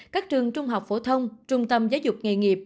các trường trung học phổ thông trung tâm giáo dục nghề nghiệp